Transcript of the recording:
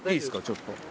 ちょっと。